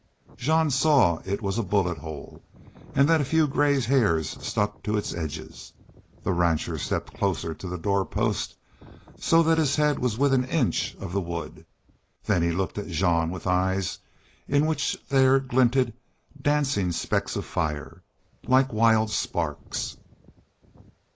Jean saw it was a bullet hole and that a few gray hairs stuck to its edges. The rancher stepped closer to the door post, so that his head was within an inch of the wood. Then he looked at Jean with eyes in which there glinted dancing specks of fire, like wild sparks.